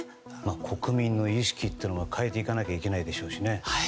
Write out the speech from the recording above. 国民の意識を変えていかないといけないでしょうしね。